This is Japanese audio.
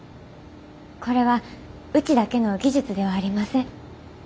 これはうちだけの技術ではありません。